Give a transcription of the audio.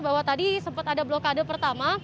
bahwa tadi sempat ada blokade pertama